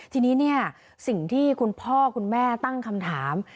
ทีนี้เนี่ยสิ่งที่คุณพ่อคุณแม่ตั้งคำถาม